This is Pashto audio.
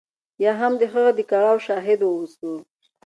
یا هم د هغه د کړاو شاهد واوسو.